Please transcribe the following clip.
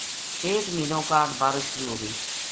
ایک مہینو کاہڈ بارش شروع ہوگئی